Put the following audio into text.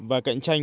và cạnh tranh